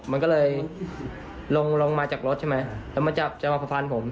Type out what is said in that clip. มันก็เลยลงมาจากรถแล้วมันจะมาฟันผม